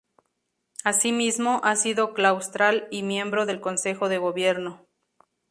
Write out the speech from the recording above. Asimismo, ha sido claustral y miembro del Consejo de Gobierno.